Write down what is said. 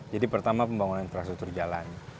jadi pertama pembangunan infrastruktur jalan